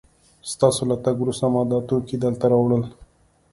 ستاسو له تګ وروسته ما دا توکي دلته راوړل